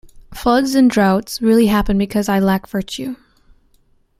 Floods and droughts really happen because I lack virtue.